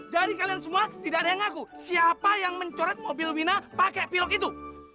jadi kalian semua tidak ada yang ngaku siapa yang mencoret mobil wina pake piloks itu